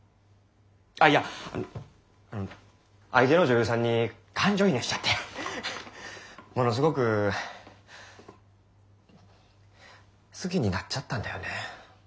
ああいや相手の女優さんに感情移入しちゃってものすごく好きになっちゃったんだよね。